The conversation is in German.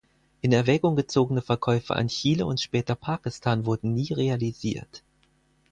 In Erwägung gezogene Verkäufe an Chile und später Pakistan wurden nie realisiert.